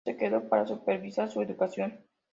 Orloff se quedó para supervisar su educación.